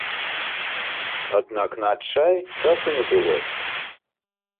Аднак на адчай часу не было.